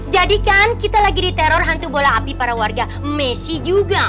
jadi kan kita lagi diteror hantu bola api para warga messi juga